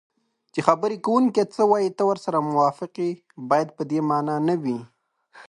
چې خبرې کوونکی څه وایي ته ورسره موافق یې باید په دې مانا وي